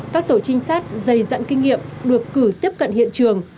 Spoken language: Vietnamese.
các tổ trinh sát dày dặn kinh nghiệm được cử tiếp cận hiện trường